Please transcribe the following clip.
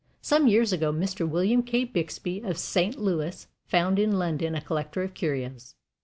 Some years ago Mr. William K. Bixby, of St. Louis, found in London a collector of curios.